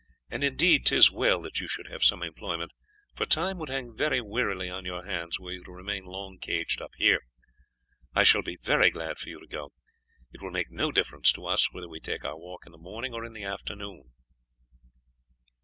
And indeed 'tis well that you should have some employment, for time would hang but wearily on your hands were you to remain long caged up here. I shall be very glad for you to go. It will make no difference to us whether we take our walk in the morning or in the afternoon."